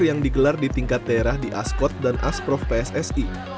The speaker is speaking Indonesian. yang digelar di tingkat daerah di askot dan asprof pssi